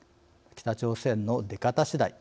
北朝鮮の出方しだい。